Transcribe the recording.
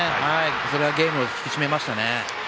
それがゲームを引き締めましたね。